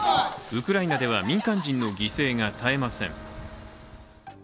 ウクライナでは民間人の犠牲が絶えません。